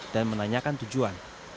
dan menanyakan tujuan